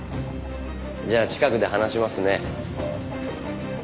じゃあ近くで話しますね。